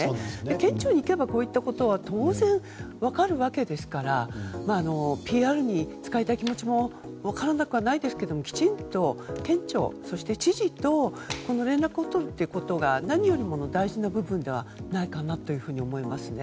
県庁に行けばこういったことは当然、分かるわけですからＰＲに使いたい気持ちも分からなくはないですがきちんと県庁や知事と連絡を取るということが何よりも大事な部分ではないかなと思いますね。